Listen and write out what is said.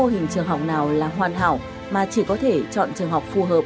mô hình trường học nào là hoàn hảo mà chỉ có thể chọn trường học phù hợp